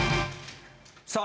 さあ。